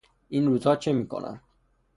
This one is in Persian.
این روزها چه میکند؟